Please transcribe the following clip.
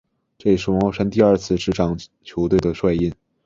这也是王宝山第二次执掌球队的帅印。